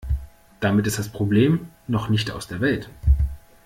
Damit ist das Problem noch nicht aus der Welt.